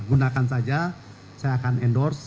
gunakan saja saya akan endorse